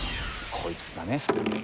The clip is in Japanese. こいつだね。